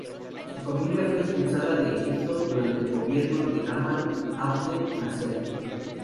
Su familia fue expulsada de Egipto durante el gobierno de Gamal Abdel Nasser.